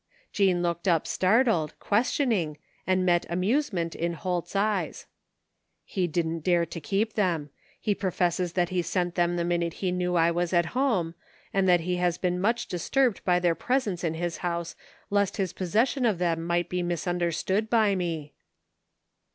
Jean looked up startled, questioning, and met amuse ment in Holt's eyes. " He didn't dare to keep them. He professes that he sent them the minute he knew I was at •home, and that he has been much disturbed by their presence in his house lest his possession of them might be mis understood by me."